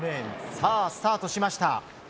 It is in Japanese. さあ、スタートしました。